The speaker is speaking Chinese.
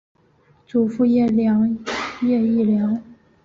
祖父叶益良。